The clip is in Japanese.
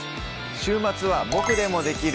週末は「ボクでもできる！